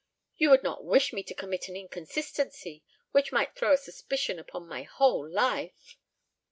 You would not wish me to commit an inconsistency which might throw a suspicion upon my whole life?"